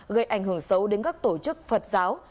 gây ảnh hưởng xấu đến các tổ chức phật giáo